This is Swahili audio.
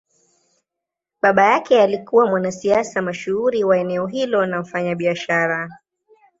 Baba yake alikuwa mwanasiasa mashuhuri wa eneo hilo na mfanyabiashara.